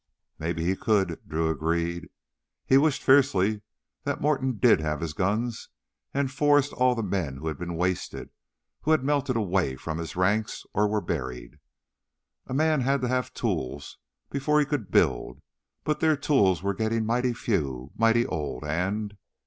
"Maybe he could," Drew agreed. He wished fiercely that Morton did have his guns and Forrest all the men who had been wasted, who had melted away from his ranks or were buried. A man had to have tools before he could build, but their tools were getting mighty few, mighty old, and....